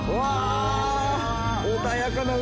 穏やかな海！